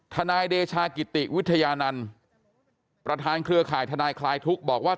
นายเดชากิติวิทยานันต์ประธานเครือข่ายทนายคลายทุกข์บอกว่า